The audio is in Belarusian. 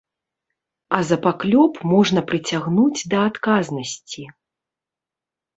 А за паклёп можна прыцягнуць да адказнасці.